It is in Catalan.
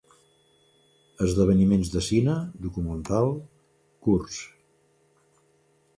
Esdeveniments de cine, documental, curts.